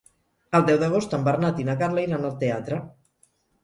El deu d'agost en Bernat i na Carla iran al teatre.